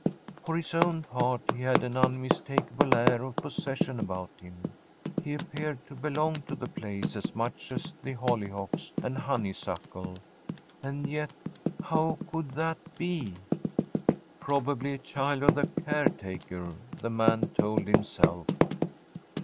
For his own part, he had an unmistakable air of possession about him. He appeared to belong to the place as much as the hollyhocks and honeysuckle; and yet, how could that be? 'Probably a child of the caretaker,' the man told himself.